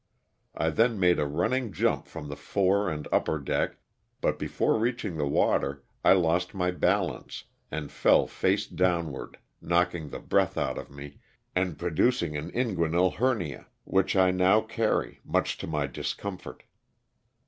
I then made a running jump from the fore and upper deck, but before reaching the water I lost my balance and fell face downward knocking the breath out of me and producing an inguinal hernia, which I now carry, much to my discomfort.